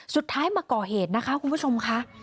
สุดท้ายมาก่อเหตุนะคะคุณผู้ชมค่ะ